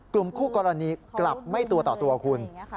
กลุ่มคู่กรณีกลับไม่ตัวต่อตัวคุณ